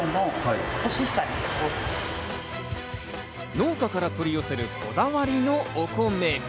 農家から取り寄せるこだわりのお米。